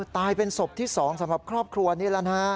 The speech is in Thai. ตายเป็นศพที่๒สำหรับครอบครัวนี้แล้วนะฮะ